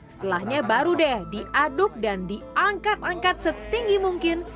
setelahnya baru deh diaduk dan diangkat angkat setinggi mungkin